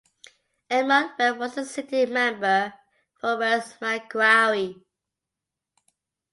Edmund Webb was the sitting member for West Macquarie.